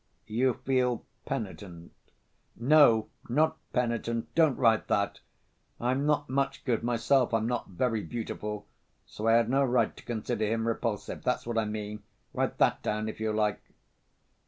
"You feel penitent?" "No, not penitent, don't write that. I'm not much good myself, I'm not very beautiful, so I had no right to consider him repulsive. That's what I mean. Write that down, if you like."